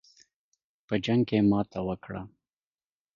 په جنګ کې ماته وکړه.